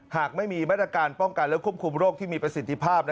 หากไม่มีมาตรการป้องกันและควบคุมโรคที่มีประสิทธิภาพ